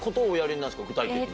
具体的には。